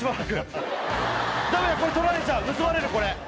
盗まれるこれ！